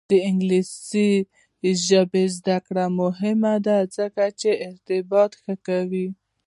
د انګلیسي ژبې زده کړه مهمه ده ځکه چې ارتباط ښه کوي.